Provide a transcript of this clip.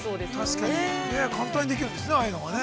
◆確かに、簡単にできるんですね。